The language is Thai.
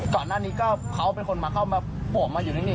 ก่อนหน้านี้ก็เขาเป็นคนมาเข้ามาปวกมาอยู่ที่นี่